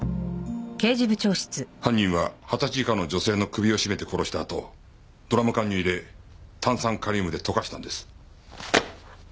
犯人は二十歳以下の女性の首を絞めて殺したあとドラム缶に入れ炭酸カリウムで溶かしたんです。